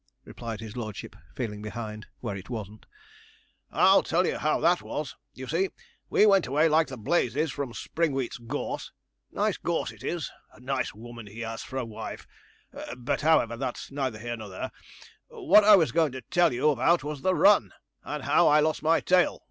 replied his lordship, feeling behind, where it wasn't;' I'll tell you how that was: you see we went away like blazes from Springwheat's gorse nice gorse it is, and nice woman he has for a wife but, however, that's neither here nor there; what I was going to tell you about was the run, and how I lost my tail.